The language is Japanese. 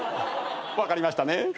分かりましたね？